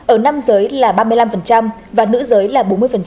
ở nam giới là ba mươi năm và nữ giới là bốn mươi